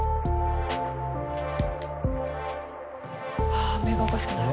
ああ目がおかしくなる。